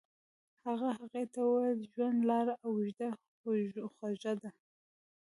هغه هغې ته وویل ژوند لاره اوږده خو خوږه ده.